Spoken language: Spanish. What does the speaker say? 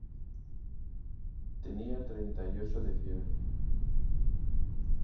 Tenía treinta y ocho de fiebre.